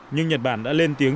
nhưng nhật bản đã lên tiếng